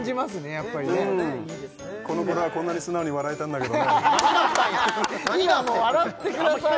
やっぱりこのころはこんなに素直に笑えたんだけどね何があったんや！